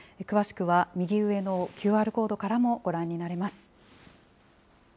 詳しくは右上のＱＲコードからもご覧になれます。